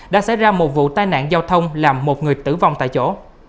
đã xảy ra một vụ tai nạn giao thông làm một người tử vong tại chỗ